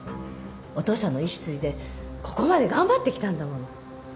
お父さんの遺志継いでここまで頑張ってきたんだもの。